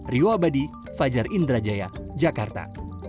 rio abadi fajar indrajaya jakarta